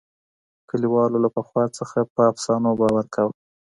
کلیوالو له پخوا څخه په افسانو باور کاوه.